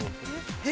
え！